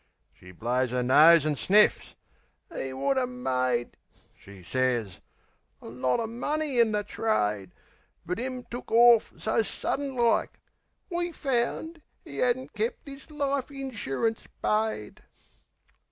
She blows 'er nose an' sniffs. "'E would 'a' made" She sez "a lot of money in the trade. But, 'im took orf so sudden like, we found 'E 'adn't kept 'is life insurince paid.